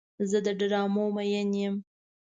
زه د ډرامو مین یم.